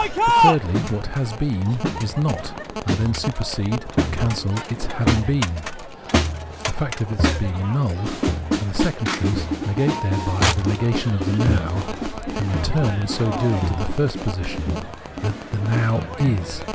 But, thirdly, what has been is not ; I then supersede, cancel, its having been, the fact of its being annulled, the second truth, negate thereby the negation of the Now and return in so doing to the first position : that Now is.